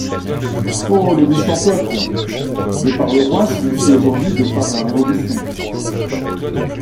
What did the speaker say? Oh ! le méchant peuple ! De par le Roi signifie aujourd'hui de par la Révolution.